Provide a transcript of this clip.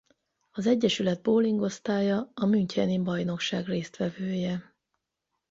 Az egyesület bowling osztálya a Müncheni Bajnokság résztvevője.